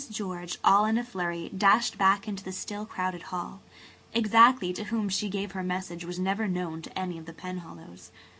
George, all in a flurry, dashed back into the still crowded hall. Exactly to whom she gave her message was never known to any of the Penhallows.